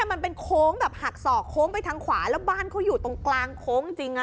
มันเป็นโค้งแบบหักศอกโค้งไปทางขวาแล้วบ้านเขาอยู่ตรงกลางโค้งจริง